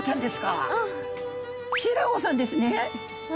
「シイラ夫さんですね」。